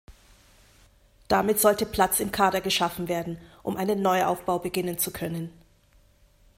Damit sollte Platz im Kader geschaffen werden, um einen Neuaufbau beginnen zu können.